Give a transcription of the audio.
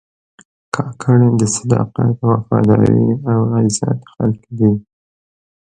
کاکړ د صداقت، وفادارۍ او عزت خلک دي.